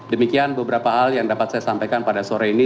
demikian beberapa hal yang dapat saya sampaikan pada sore ini